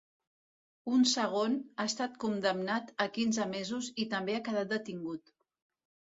Un segon, ha estat condemnat a quinze mesos i també ha quedat detingut.